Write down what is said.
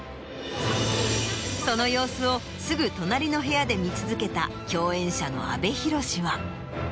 その様子をすぐ隣の部屋で見続けた共演者の阿部寛は。